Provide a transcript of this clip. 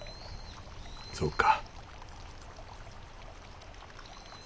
そうか。